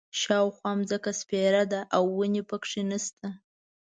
شاوخوا ځمکه سپېره ده او ونې په کې نه شته.